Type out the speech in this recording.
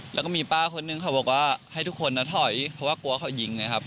แล้วก็มีป้าคนนึงเขาบอกว่าให้ทุกคนถอยเพราะว่ากลัวเขายิงไงครับ